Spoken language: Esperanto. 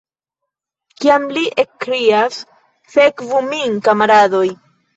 Kiam li ekkrias: "sekvu min, kamaradoj!"